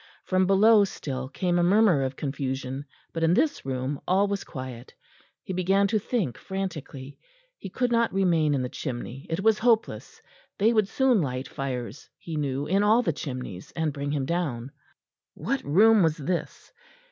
From below still came a murmur of confusion; but in this room all was quiet. He began to think frantically. He could not remain in the chimney, it was hopeless; they would soon light fires, he knew, in all the chimneys, and bring him down. What room was this?